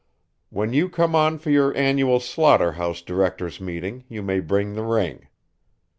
When you come on for your annual slaughter house directors' meeting you may bring the ring.